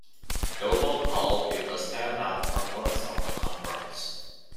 "Billboard" called it the stand out performance of the conference.